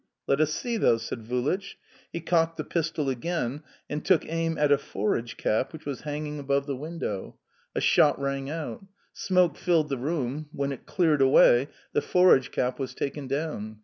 "Let us see, though," said Vulich. He cocked the pistol again, and took aim at a forage cap which was hanging above the window. A shot rang out. Smoke filled the room; when it cleared away, the forage cap was taken down.